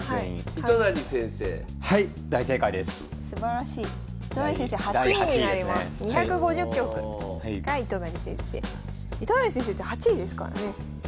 糸谷先生で８位ですからね。